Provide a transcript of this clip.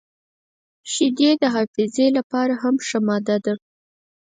• شیدې د حافظې لپاره هم ښه ماده ده.